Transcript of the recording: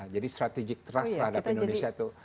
strategic trust terhadap indonesia itu